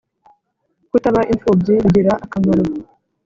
Kutaba imfubyi bigira akamaro :